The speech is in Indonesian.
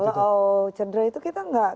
kalau cedera itu kita nggak